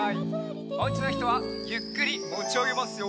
おうちのひとはゆっくりもちあげますよ。